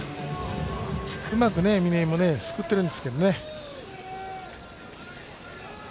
うまく嶺井もすくっているんですけどね。